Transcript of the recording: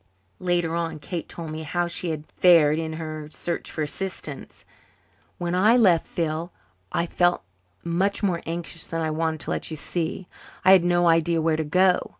Later on Kate told me how she had fared in her search for assistance. "When I left you, Phil, I felt much more anxious than I wanted to let you see. I had no idea where to go.